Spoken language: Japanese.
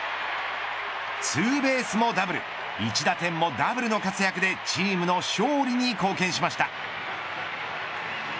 ツーベースもダブル１打点もダブルの活躍でチームの勝利に貢献しました。